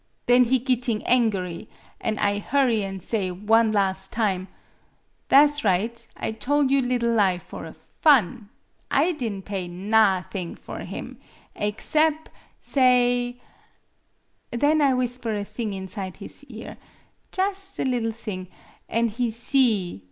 Then he gitting angery, an' I hurry an' say, one las' time, ' Tha' 's right/ I tole you liddle lie for a fun. I di'n' pay nawth'mg for him, aexcep' sa ayf ' Then I whisper a thing inside his ear, jus' a liddle thing, an' he see!